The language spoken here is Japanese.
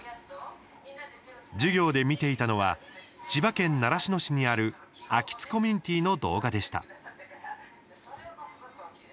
授業で見ていたのは千葉県習志野市にある秋津コミュニティの動画でした。